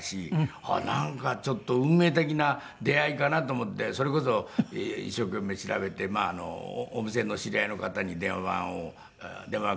なんかちょっと運命的な出会いかなと思ってそれこそ一生懸命調べてお店の知り合いの方に電話番号を教わって。